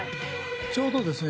ちょうどですね